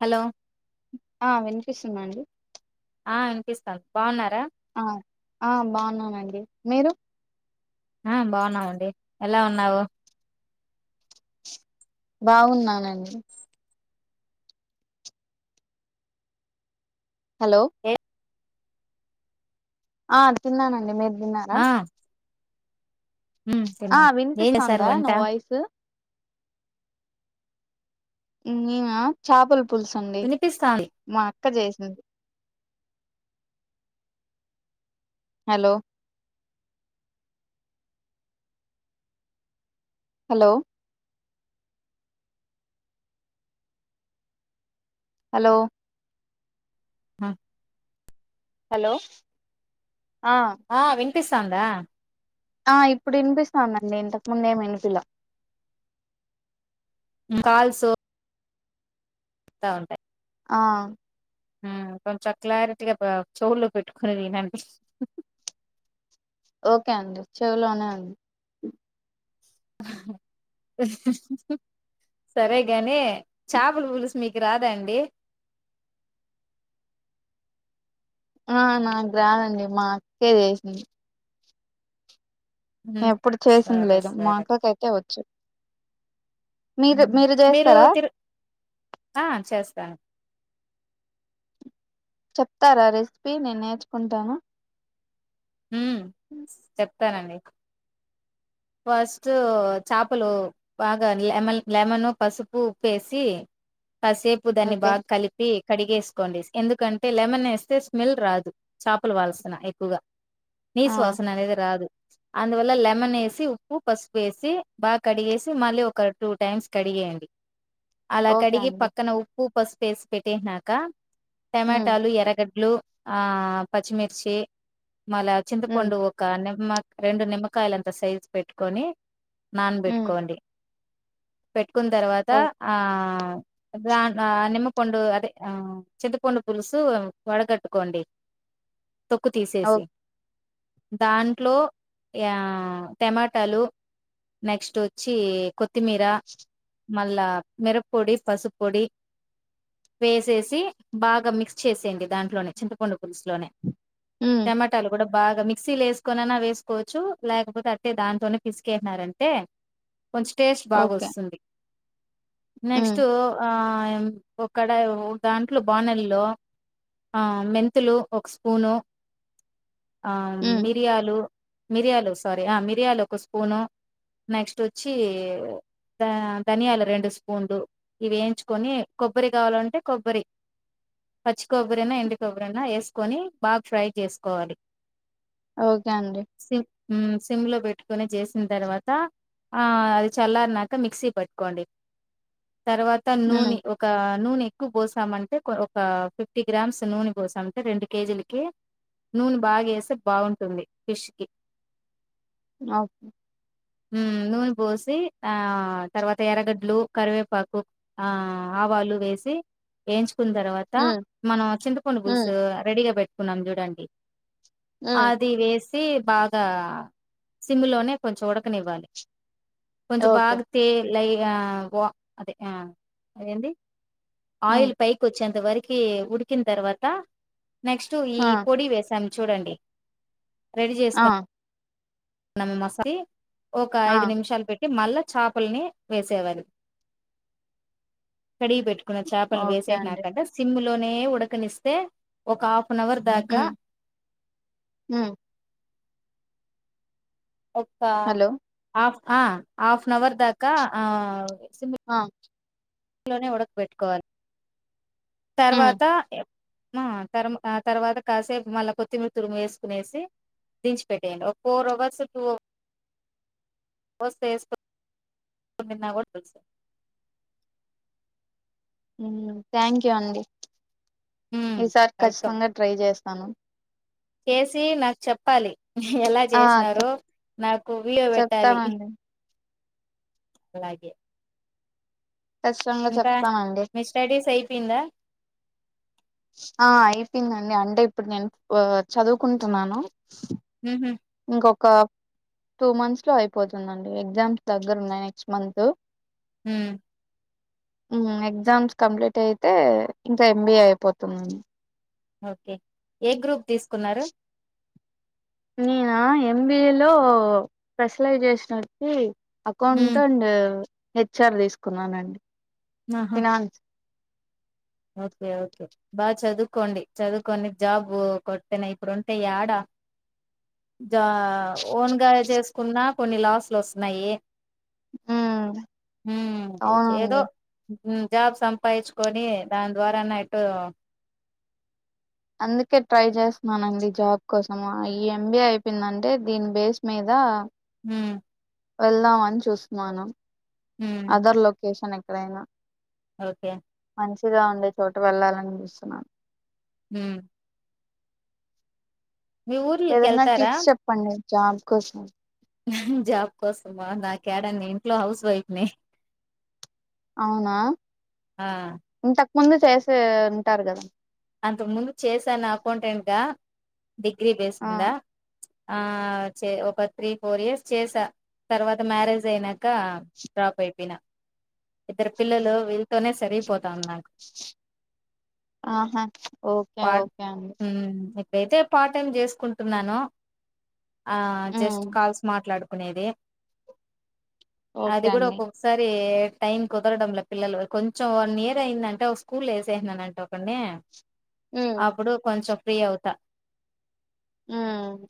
Hello ఆ వినిపిస్తున్నా అండి ఆ అనిపిస్తాను బాగున్నారా ఆ ఆ బాగున్నానండి మీరు ఆ బాగున్నామండి ఎలా ఉన్నావు బాగున్నానండి హలో ఏ ఆ తిన్నానండి మీరు తిన్నారా ఆ ఉమ్ ఆ తిన్నాం ఏం చేశారు వినిపిస్తాందా వంట నా వాయిసు నేన చాపలు పులుసు అండి వినిపిస్తాంది మా అక్క చేసింది హలో హలో హలో ఆ హలో ఆ పిస్తంద ఆ ఇప్పుడు ఇనిపిస్తదండి ఇంతకు ముందేమి వినిపిలా కాల్ సో స్తా ఉంటాయి ఆ ఉమ్ కొంచెం క్లారిటీగా బా చెవుల్లో పెట్టుకుని వినండి ఓకే అండి చెవులోనే ఉంది సరేగాని చాపలు పులుసు మీకు రాదా అండి. ఆ నాకు రాదు అండి మా అక్కే చేసింది ఎప్పుడు చేసింది సరే లేదు సరే మాక్కకయితే వచ్చు మీరు మీరు చేస్తారా ఆ చేస్తాను చెప్తారా రెసిపీ నేను నేర్చుకుంటాను ఉమ్ స్తనండి ఫస్ట్ చేపలు బాగా లెమన్ లెమన్ పసుపు ఉప్పేసి కాసేపు దాన్ని ఓకే బాగా కలిపి కడిగేసుకోండి ఎందుకంటే లెమన్ వేస్తే స్మెల్ రాదు చేపలు వాల్సన ఎక్కువగా ఆ నిస్వాసన అనేది రాదు అందువల్ల లెమన్ ఏసీ ఉప్పు పసుపు వేసి బాగా కడిగేసి మళ్ళీ ఒక టూ టైమ్స్ కడిగేయండి అలా ఓకే కడిగి అండి పక్కన ఉ ఉప్పు పసుపేసి పెట్టేసినక హ్మ్ టమాటాలు ఎరగడ్లు ఆ పచ్చిమిర్చి మళా హ్మ్ చింతపండు ఒక నిమ్మ రెండు నిమ్కాయలంత సైజ్. పెట్టుకొని. నాన్ హ్మ్ బేట్కోండి. పెట్ కున్ తర్వాత ఓ ఆ అదా ఆహా నిమ్మపండు అదే ఆ చింతపడు పుల్సు వడగట్టుకోండి తొక్కు ఓ తీసేసి దాంట్లో యా టమాటాలు నెక్స్ట్ ఒచ్చి కొత్తిమీరా మళ్ళా మిరపొడి పసుపుపొడి వేసేసి బాగా మిక్స్ చేసేయండి దాంట్లోనే చింతపొండు పులుసులోనే. హ్మ్ టమాటాలు కూడా బాగా మిక్సీలో వేసుకొనన వేసుకోవచ్చు లేకపోతే అ టె దాంతోనే పిస్కేతనరంటే. కొంచె టేస్ట్ బాగా ఓకే వస్తుంది హ్మ్ నెక్స్ట్ ఆ ఉ ఒ కడయో దాంట్లో బాణాలిలో అ మెంతులు ఒక స్పూను ఆ హ్మ్ మిరియాలు మిరియాలు సారీ ఆ మి ఉరియాలు ఒక స్పూను నెక్స్ట్ ఒచ్చి దా ధనియాలు రెండు స్పూన్లు ఇవి వేయించుకొని కొబ్బరి కావాలంటే కొబ్బరి పచ్చి కొబ్బరినా ఎండి కొబ్బరినా వేసుకొని బాగా ఫ్రై చేసుకోవాలి ఓకే అండి ఊ సిమ్లో బెట్ ట్టుకుని చేసిన తర్వాత ఆ అది చల్లారన్నాక మిక్సీ పట్టుకోండి తర్వాత హ్మ్ నూని ఒక నూని ఎక్కు పోసమంటే ఒ ఒక ఫిఫ్టీ గ్రామ్స్ నూనె పోసమంటే రెండు కేజీ లకి నూనె బాగేసి బాగుంటుంది ఫిష్కి నాపు ఊ నూనె పోసి ఆ తర్వాత ఎర్రగడ్లు కరివేపాకు ఆ ఆవాలు వేసి వేయించు కున్న తర్వాత హ్మ్ మనం చింతపండు హ్మ్ బుల్సు రెడీగా బెట్ కున్నాం చూడండి హ్మ్ అది వేస్ తీ బాగా సిమ్లోనే కొంచెం ఉడకనివ్వాలి కొంచెం ఓకే బాగ తె లై క్యా గో అదే ఆ అదేంది హ్మ్ ఆయిల్ పైకి ఒచ్చంత అంతవరకి ఉడికిన్ తర్వాత నెక్స్ట్ ఈ ఆ పొడి వేసాను చూడండి రెడీ ఆ చేస్తాం న [inaudible] మ మసాల ఓక ఆ ఐదు నిమిషాలు పె మళ్ళా చేపలని వేసేవారు కడిగి పెట్టుకున్న చేపలను ఓకే అండి వేసేసినాకంటె సిమ్ లోనే ఉడకనిస్తే ఒక ఆఫ్ వన్ అవర్ దాకా హ్మ్ హ్మ్ ఒక్క హలో ఆఫ్ ఆ ఆఫ్ హవర్ దాకా ఆ అదే ఆన్ ఇంట్లో [inaudible] నే ఉడకపెట్టుకోవాలి హ్మ్ తర్వాత తర్ తర్వాత కాసేపు మళ్ళా కొత్తిమీర తురుమి వేసుకునేసి దించి పెట్టేయండి ఒక ఫోర్ అవర్స్ టూ అవర్ వస్తే వేసుకన్నా కూడా తెలుా [unintelligible] వునా థ్యాంక్ యూ అండి ఈసారి అర్థం ఖచ్చితంగా ట్రై చేస్ తను చేసి నాకు చెప్పాలి ఎలా ఆ చేసినారో చెప్ నాకు విడియో పెట్టాలి చెప్తానండి అలాగే ఖచ్చితంగా ఇంకా చెప్తానండి. మీ స్టడీస్ అయిపోయిందా ఆ అయిపోయిందండి అంటే ఇప్పుడు నేను చదువుకుంటున్నాను ఉహు ఇంకొక టూ మంత్స్ లో అయిపోతుందండి ఎగ్జామ్స్ దగ్గర ఉన్నాయి నెక్స్ట్ మంత్ హ ఇంగా ఎగ్జామ్స్ కంప్లీట్ అయితే ఇంకా ఎంబిఏ అయిపోతుంది అండి ఓకే ఏ గ్రూప్ తీసుకున్నారు నినా ఎంబిఏ లో స్పెషలైజేషన్ వచ్చి అక్కౌంట్ ఉమ్ అండ్ హెచ్ఆర్ తీసుకున్నానండి ఆహా ఫినాన్స్ ఓకే ఓకే బాగా చదువుకోండి చదువుకోని జాబ్ కొట్టన ఇప్పుడు ఉంటే యాడా జా ఓన్గా చేసుకున్నా కొన్ని లాసులు వస్తున్నాయి హ్మ్. హ్మ్ ఏదో అవునండి జాబ్ సంపాదించుకొని దాని ద్వారాన్న ఎటొ అందుకే ట్రై చేస్తున్నానండి జాబ్ కోసం ఈ ఎంబీఏ అయిపోయిందంటే దీని బేస్ మీద ఉమ్ వెళ్దామని చూస్తున్నాను ఉమ్ అదర్ లోకేషన్ ఎ ఎక్కడనా ఓకే మంచిగా ఉండే చోట వెళ్ళాలని చూస్తున్నాను ఉమ్ మీ ఊర్లకి ఏదైనా వెళ్తారా టిప్స్ చెప్పండి జాబ్కుసం హు జాబ్ కోసమా నాకేడాని ఇంట్లో హౌస్ వైఫ్ ని అవునా ఆ ఉంత ముందు చేసే ఉంటారు కదా అంతకు ముందు చేశాను అకౌంటెంట్గా డిగ్రీ ఆ బేస్ంద ఆ చే ఒక త్రీ ఫోర్ ఇయర్స్ చేసా తర్వాత మ్యారేజ్ అయినాక డ్రాప్ అయిపోయినా ఇద్దరు పిల్లలు వీళ్ళతోనే సరపోతాంది నాకు ఆహా ఓకే ఓకే అండి ఇయితే పార్ట్ టైం చేసుకుంటున్నానో ఆ జస్ట్ ఉమ్ కాల్స్ మాట్లాడు కోనేదే అది ఓకే కూడా అండి ఒక్కసారి టైం కుదరడంలో పిల్లలు కొంచెం వన్ ఇయర్ అయిందంటే ఒక స్కూల్ వేసేసినన అంట ఒకండి ని ఉమ్ అప్పుడు కొంచెం ఫ్రీ అవుతా ఉమ్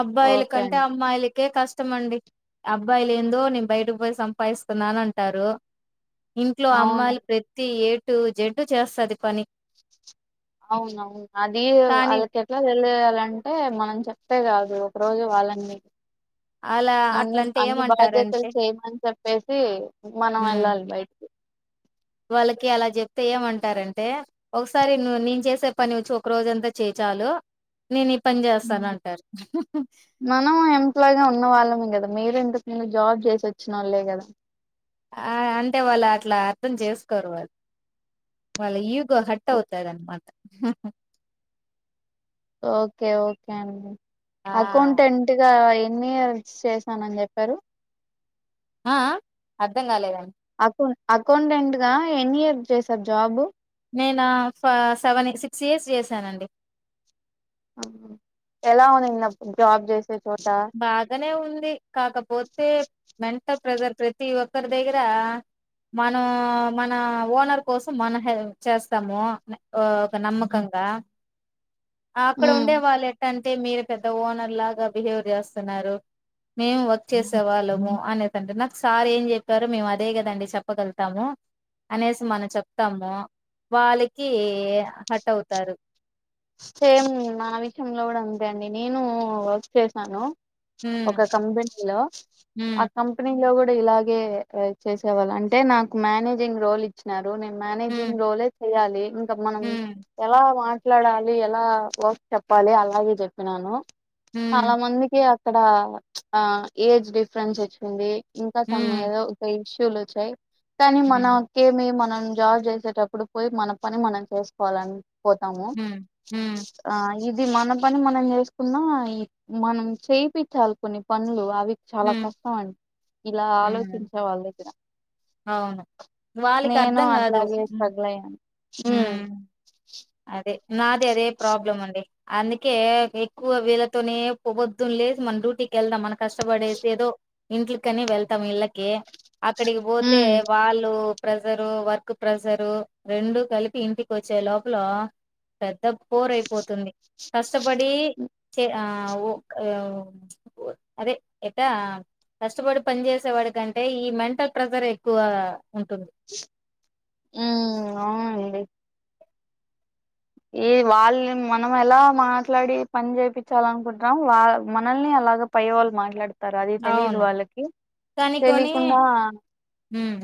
అబ్బాయిల ఓకే కంటే అండి అమ్మాయిలకి కే కష్టమ అండి అబ్బాయిలు ఏందో నేను బయటకు పోయి సంపాదిస్తున్నాన అంటారు ఇంట్లో అవును అమ్మాలు ప్రతి ఏటు అటు జడ్డు చేస్తుది పని అవునవును అది కానీ వాళ్ళకి ఎట్లా తెలియాలంటే మనం చె అంతే కాదు ఒక రోజు వాళ్ళీ అలా మొన్ని అట్లంటే అన్ని బాధ్యతలు ఏమంటారంటే చేయమని చెప్పేసి మనం హ్మ్. వెళ్ళాలి బయటికి వాళ్ళకి అలా చెప్తే ఏమంటారంటే ఒకసారి నేను చేసే పని వచ్చి ఒక రోజ అంతా చేచాలు ఉమ్ మనం ఎంప్లాయిగా ఉన్న వాళ్ళమే కదా మీరు ఇ ను జాబ్ చేసి వచ్చిన వాళ్లే కదా ఆ అంటే వాళ్ళు అట్లా అర్థం చేసుకోరు వాళ్ళు వాళ్ళ హట్ ఓ- అవుతాయి అమాట ఓకే ఓకే అండి ఆ! అకౌంటెంట్ గా ఎన్ని ఇయర్స్ చేశానని చెప్పారు ఆ అర్థం కాలేదండి అకౌ అకౌంటెంట్ గా ఎన్ ఇయర్ చేసారు జాబు నేను సెవెన్ సిక్స్ ఇయర్స్ చేశానండి ఎలా ఉందిప్పుడు జాబ్ చేసి బాగానే ఉంది కాకపోతే వెంట ప్రజర్ ప్రతి ఒక్కరి దగ్గర మనం మన ఓనర్ కోసం మనం హ చేస్తాము ఒక నమ్మకంగా అక్కడ ఉండే వాళ్ళు ఎట్టంట అే మీరు పెద్ద ఓనర్ లాగా బిహేవ్ చేస్తున్నారు మేము వర్క్ చేసే వాళ్ళము అనేదింటే నాకు సార్ ఏం చెప్పారు మేము అదే కదండి చెప్పగలుతాము అనేసి మనం చెప్తాము వాళ్ళకి హట్ అవుతారు సేమ్ నా విషయంలో కూడా అంతే అండి నేను వర్క్ చేసాను హ్మ్ ఒక కంపెనీ లో ఆ హ్మ్ కంపెనీ లో కూడా ఇలాగే చేసేవాళ్ళు అంటే నాకు మేనేజింగ్ రోల్ ఇచ్చినారు హ్మ్ మనేజింగ్ రోలేజ్ చెయ్యాలి మనం ఎలా డాల ఎలా వర్క్ చెప్పాలి అలాగే చెప్పినాను హ్మ్ చాలా మందికి ఇక్కడ ఆ ఏజ్ డిఫరెన్స్ వచ్చింది ఇంకా సమ హ్మ్ ఏదో ఒకష చలోచయి కానీ హ్మ్ మనక మీ మన జాబ్ చేసేటప్పుడు పోయి మన పని మనం చేసుకోవాలని పోతాము ఆహ్, హ ఇది మన పని మనం చేసుకున్నా మనం చేయించాలి కొన్ని పనులు కు చాలా హ్మ్ కష్టం అండి ఇలా హ్మ్ ఆలోచించా వాళ్ళ దగ్గర అవును వాళ్ళకి నేను అర్థం కాదు అట్లాగే స్ట్రగుల్ అయ్యాను. హ హ్మ్. అదే నాది అదే ప్రాబ్లం అండి. అందుకే ఎక్కువ వీళ్ళతోనే. పొద్దున్ లేసి మన డ్యూటీకి వెళ్దాం. మనక్ కష్టపడేస్ ఏదో ఇంట్లకని వెళ్తాం విళ్ళకి అక్కడికి పోతే హ్మ్. వాళ్ళు. ప్రెజరు, వర్క్ ప్రెజరు రెండు కలిపి ఇంటికి వచ్చే లోక్ లో పెద్ద పోరయిపోతుంది. కష్టపడి చే ఆ ఒక్ ఎయో అదే ఎట్ట కష్టపడి పని చేేసేవాడికంటే. ఈ మెంటల్ ప్రెషర్ ఎక్కువ. ఉంటుంది. డి ఈ వాళ్ళని మనం ఎలా మాట్లాడి పని చేపించాల అనుకుంటున్నాం. వాల్ మనల్ని అలాగ పై వాళ్ళు మాట్లాడ్ అది తెలిదు అవును వాళ్ళకి. తెలియకుండా. ఉహ్మ్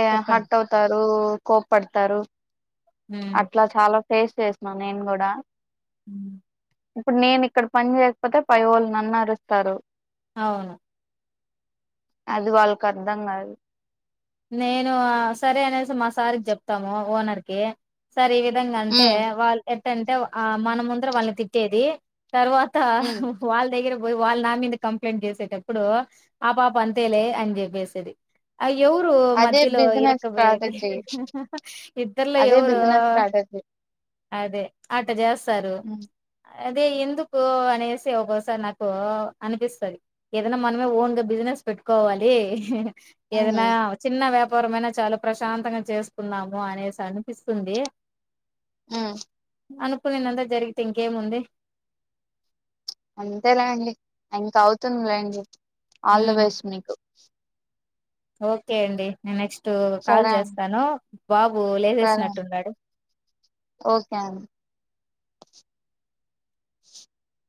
ఏ హట్ ఆవ్తారు కోపడతారు. ఉమ్ అట్లా చాలా టేస్ట్ చేసినా నేను కూడా ఉహ్మ్ ఇప్పుడు నేను ఇక్కడ పని చేయకపోతే. పై వాళ్ళు నన్ను అరుస్తారు. అవును అది వాళ్ళకి అర్థం కాదు. నేను సరే అనేసి మా సారి చెప్తాము ఓనర్కిి. సరే ఈ విధంగా అంటే ఉమ్ వాళ్ళు. ఏం అంటే ఆ మన ముందర వాళ్ళని తిట్టేది. తర్వాత ఉమ్ వాళ్ళ దగ్గర పోయి వాళ్ళ నా మీద కంప్లైంట్ చేసేటప్పుడు. ఆ పాప అంతేలే అని చెప్పేసేది. వాల్ ఎవురు అదే మధ్యలో బిజినెస్ ఇరక పోయేది. స్ట్రాటజీ ఇద్దల్లో అదే ఎవురు బిజినెస్ స్ట్రాటజీ అదే ఆట జాస్ తారు ఉమ్ అదే ఎందుకు అనేసి ఒసారి నాకు అనిపిస్తది. ఏదైనా మనమే ఓన్గా బిజినెస్ పెట్టుకోవాలి. ఎదన్న చిన్న వ్యాప్ రమైనా చాలా ప్రశాంతంగా చేస్కున్నాము. అనేసి అనిపిస్తుంది. ఉహ్మ్ అనుకునేందంతా జరిగితే ఇంకేముంది. అంతేలేండి ఇంకా అవుతుందిలేండి. ఆల్ ద హ్మ్ బెస్ట్ మీకు [inaudible] ఓకే అండి నే నెక్స్ట్ టు కాల్ సరే అండి చేస్తాను. బాబు సరే లేసేసినట్టున్నాడు. ఓకే అండి [inaudible]